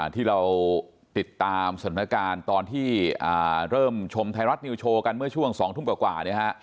ที่เราติดตามสถานการณ์ตอนที่เริ่มชมไทยรัฐนิวโชว์กันเมื่อช่วง๒ทุ่มกว่า